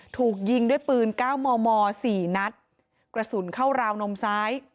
ถูกยิงด้วยปืนเก้ามอมอสี่นัดกระสุนเข้าราวนมซ้าย